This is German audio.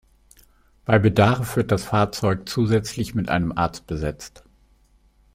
Bei Bedarf wird das Fahrzeug zusätzlich mit einem Arzt besetzt.